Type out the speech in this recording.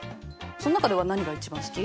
そん中では何が一番好き？